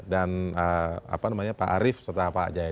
dan pak arief serta pak jaya